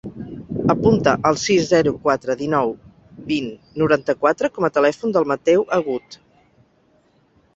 Apunta el sis, zero, quatre, dinou, vint, noranta-quatre com a telèfon del Mateu Agut.